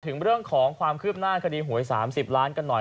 ถึงเรื่องของความคืบหน้าคดีหวย๓๐ล้านกันหน่อย